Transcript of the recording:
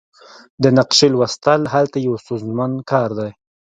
د نقشې لوستل هلته یو ستونزمن کار دی